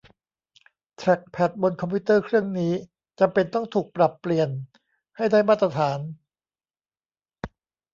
แทร็คแพ็ดบนคอมพิวเตอร์เครื่องนี้จำเป็นต้องถูกปรับเปลี่ยนให้ได้มาตรฐาน